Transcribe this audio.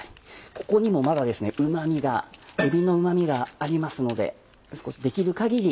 ここにもまだうま味がえびのうま味がありますのでできる限り